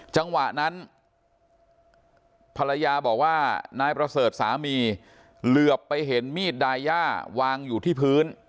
จังหวะนั้นภรรยาบอกว่านายประเสริฐสามีเหลือไปเห็นมีดดาย่าวางอยู่ที่พื้น